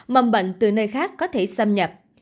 mầm bệnh từ nơi khác có thể xâm nhập